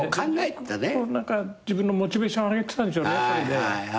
自分のモチベーションを上げてたんでしょうねそれで。